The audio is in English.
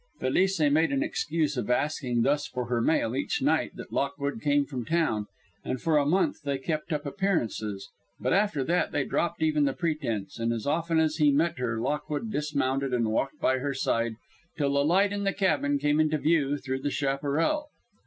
Felice made an excuse of asking thus for her mail each night that Lockwood came from town, and for a month they kept up appearances; but after that they dropped even that pretense, and as often as he met her Lockwood dismounted and walked by her side till the light in the cabin came into view through the chaparral.